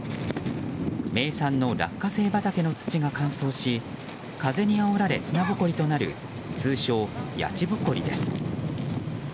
名産のラッカセイ畑の土が乾燥し風にあおられ砂ぼこりとなる通称やちぼこりです。